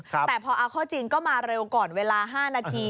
แต่พอเอาข้อจริงก็มาเร็วก่อนเวลา๕นาที